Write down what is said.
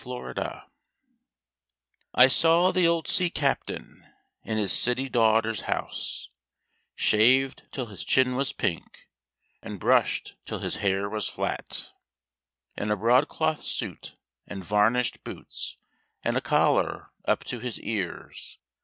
OLD BOATS I saw the old sea captain in his city daughter's house, Shaved till his chin was pink, and brushed till his hair was flat, In a broadcloth suit and varnished boots and a collar up to his ears.